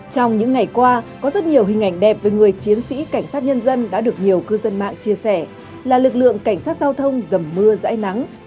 trong những ngày qua có rất nhiều hình ảnh đẹp về người chiến sĩ cảnh sát nhân dân đã được nhiều cư dân mạng chia sẻ là lực lượng cảnh sát giao thông dầm mưa dãi nắng